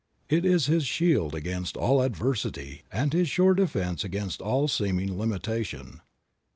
It is his shield against all adversity and his sure defense against all seeming limitation.